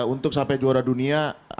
untuk sampai juara dunia itu adalah